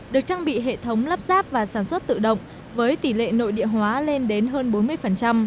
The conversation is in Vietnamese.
được trang bị hệ thống lắp ráp và sản xuất tự động với tỷ lệ nội địa hóa lên đến hơn bốn mươi